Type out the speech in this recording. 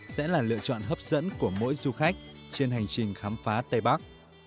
sẽ là lựa chọn hấp dẫn của mỗi du khách trên hành trình khám phá tây bắc